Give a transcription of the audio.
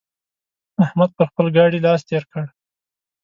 احمد پر خپل ګاډي لاس تېر کړ.